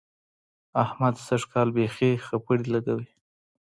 احمد سږ کال بېخي خپړې لګوي.